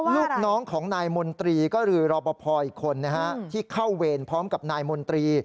ลูกน้องของนายมนตรีก็คือรอปภอีกคนที่เข้าเวรพร้อมกับนายมนตรี